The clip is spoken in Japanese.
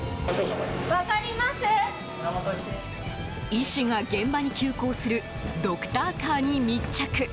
医師が現場に急行するドクターカーに密着。